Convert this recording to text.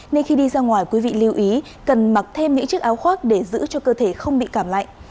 nên khi đi ra ngoài quý vị lưu ý cần mặc thêm những chiếc áo khoác để giữ cho cơ thể không bị cảm lạnh